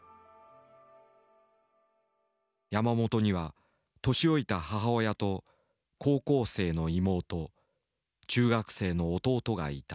山本には年老いた母親と高校生の妹中学生の弟がいた。